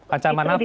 ancaman apa ibu